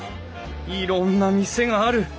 いろんな店がある。